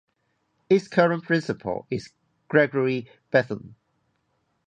Its current principal is Gregory Bethune.